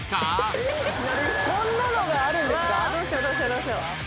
どうしよう。